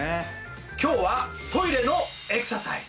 今日はトイレのエクササイズ。